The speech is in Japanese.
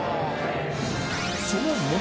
そのもも